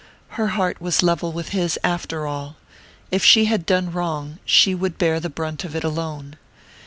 Her heart was level with his, after all if she had done wrong she would bear the brunt of it alone.